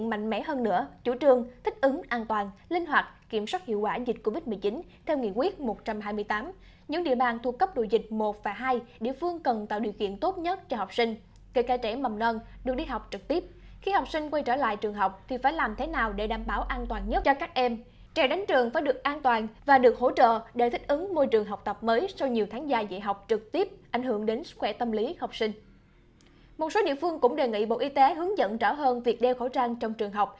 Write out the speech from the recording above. một số địa phương cũng đề nghị bộ y tế hướng dẫn rõ hơn việc đeo khẩu trang trong trường học